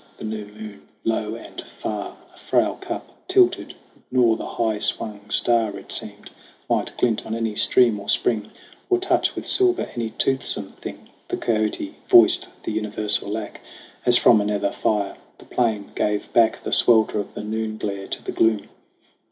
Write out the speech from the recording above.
The new moon, low and far, A frail cup tilted, nor the high swung star, It seemed, might glint on any stream or spring Or touch with silver any toothsome thing. The kiote voiced the universal lack. As from a nether fire, the plain gave back The swelter of the noon glare to the gloom.